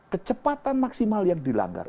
kecepatan maksimal yang dilanggar